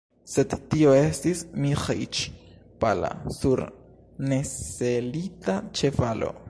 Sed tio estis Miĥeiĉ, pala, sur neselita ĉevalo.